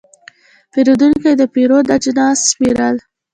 پیرودونکی د پیرود اجناس شمېرل.